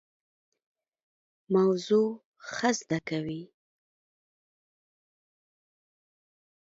موضوع ښه زده کوي.